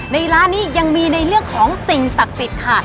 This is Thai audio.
ในร้านนี้ยังมีในเรื่องของสิ่งศักดิ์สิทธิ์ค่ะ